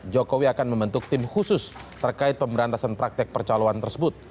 jokowi akan membentuk tim khusus terkait pemberantasan praktek percaloan tersebut